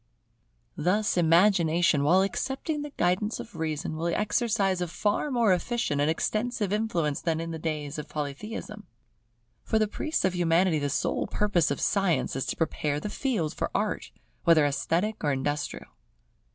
Thus imagination, while accepting the guidance of reason, will exercise a far more efficient and extensive influence than in the days of Polytheism. For the priests of Humanity the sole purpose of Science is to prepare the field for Art, whether esthetic or industrial.